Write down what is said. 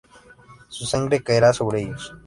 Su sangre caerá sobre ellos.